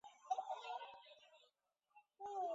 天命汗钱的钱文为老满文。